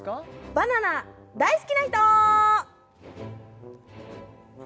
バナナ大好きな人？